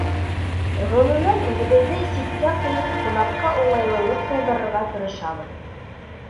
Ғөмүмән, үҙебеҙҙе ситкә ҡуйып, ҡунаҡҡа уңайлылыҡ тыуҙырырға тырышабыҙ.